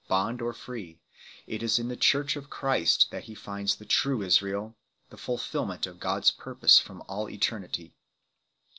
21 or Gentile, bond or free ; it is in the Church of Christ that he finds the true Israel, the fulfilment of God s purpose from all eternity 1